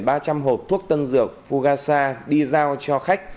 tuy nhiên ba trăm linh hộp thuốc tân dược fugasa đi dao cho khách